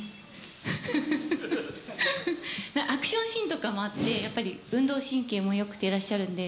アクションシーンとかもあって、やっぱり、運動神経もよくていらっしゃるので。